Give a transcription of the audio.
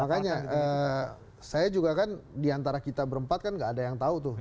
makanya saya juga kan diantara kita berempat kan nggak ada yang tahu tuh